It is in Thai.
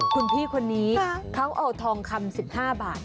คุณพี่คนนี้เขาเอาทองคำ๑๕บาท